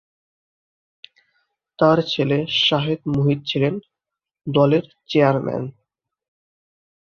তার ছেলে শাহেদ মোহিত ছিলেন দলের চেয়ারম্যান।